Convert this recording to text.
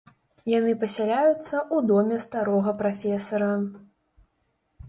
Яны пасяляюцца ў доме старога прафесара.